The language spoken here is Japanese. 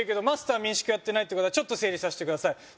マスター民宿やってないってことはちょっと整理させてください